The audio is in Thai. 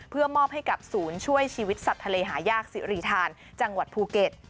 เพื่อมอบให้กับศูนย์ช่วยชีวิตสัตว์ทะเลหายากสิริธานจังหวัดภูเก็ต